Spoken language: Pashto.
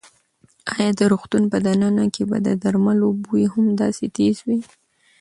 ایا د روغتون په دننه کې به د درملو بوی هم داسې تېز وي؟